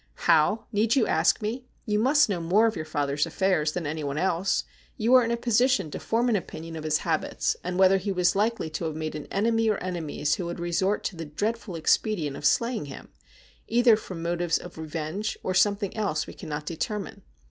' How ! Need you ask me ? You must know more of your father's aflairs than anyone else. You are in a position to form an opinion of his habits, and whether he was likely to have made an enemy or enemies who would resort to the dreadful expedient of slaying him, either from mo ives of revenge or something else we cannot determine.